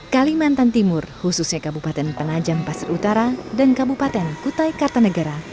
kalimantan timur khususnya kabupaten penajam pasir utara dan kabupaten kutai kartanegara